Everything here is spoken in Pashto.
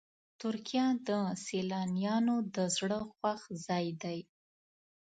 ترکیه د سیلانیانو د زړه خوښ ځای دی.